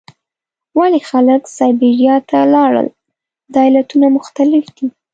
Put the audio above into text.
ولې خلک سابیریا ته لاړل؟ دا علتونه مختلف دي.